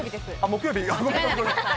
木曜日？